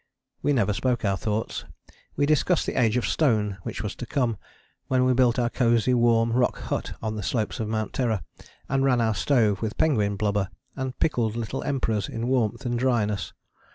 We never spoke our thoughts: we discussed the Age of Stone which was to come, when we built our cosy warm rock hut on the slopes of Mount Terror, and ran our stove with penguin blubber, and pickled little Emperors in warmth and dryness.